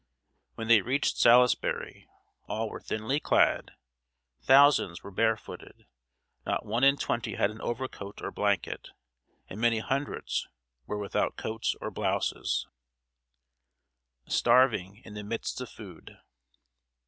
When they reached Salisbury, all were thinly clad, thousands were barefooted, not one in twenty had an overcoat or blanket, and many hundreds were without coats or blouses. [Sidenote: STARVING IN THE MIDST OF FOOD.